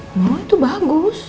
mama itu bagus